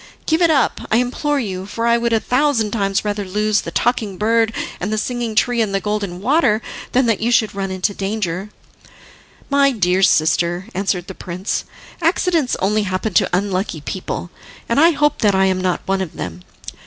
Give it up, I implore you, for I would a thousand times rather lose the Talking Bird, and the Singing Tree and the Golden Water, than that you should run into danger." "My dear sister," answered the prince, "accidents only happen to unlucky people, and I hope that I am not one of them.